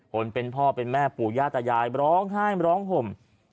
คนเป็นพ่อเป็นแม่ปู่ย่าตายายร้องไห้ร้องห่ม